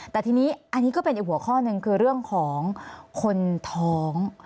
แต่ทีนี้อันนี้ก็เป็นอีกหัวข้อหนึ่งคือเรื่องของคนท้อง